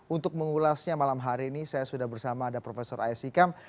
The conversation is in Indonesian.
untuk mengulasnya malam hari ini saya sudah bersama ada prof ais hikam